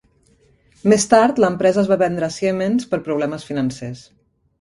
Més tard, l'empresa es va vendre a Siemens per problemes financers.